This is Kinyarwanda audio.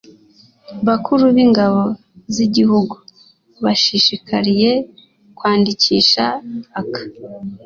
bakuru b'ingabo z'igihugu bashishikariye kwandikisha aka